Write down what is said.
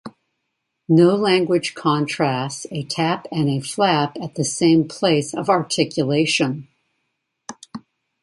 No language contrasts a tap and a flap at the same place of articulation.